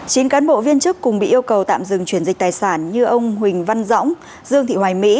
chín cán bộ viên chức cùng bị yêu cầu tạm dừng chuyển dịch tài sản như ông huỳnh văn dõng dương thị hoài mỹ